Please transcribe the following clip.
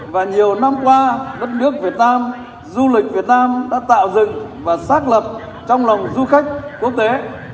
và nhiều năm qua đất nước việt nam du lịch việt nam đã tạo dựng và xác lập trong lòng du khách quốc tế